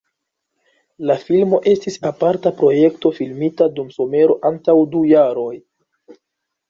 La filmo estis aparta projekto filmita dum somero antaŭ du jaroj.